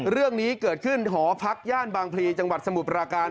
เรื่องนี้เกิดขึ้นหอพักย่านบางพลีจังหวัดสมุทรปราการ